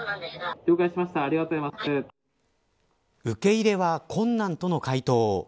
受け入れは困難との回答。